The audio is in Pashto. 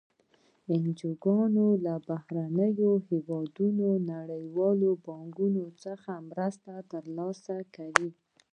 انجوګانې له بهرنیو هېوادونو او نړیوال بانک څخه مرستې تر لاسه کوي.